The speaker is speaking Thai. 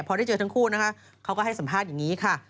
พอได้เจอทั้งคู่นะคะเขาก็ให้สัมภาษณ์อย่างนี้ค่ะ